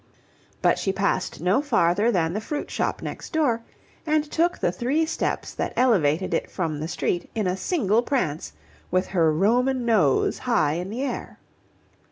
But she passed no farther than the fruit shop next door, and took the three steps that elevated it from the street in a single prance, with her Roman nose high in the air.